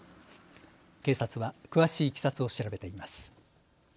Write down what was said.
警察は詳しいいきさつを調べています。